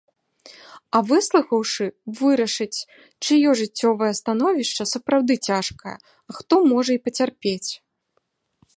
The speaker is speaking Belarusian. А выслухаўшы, вырашаць, чыё жыццёвае становішча сапраўды цяжкае, а хто можа і пацярпець.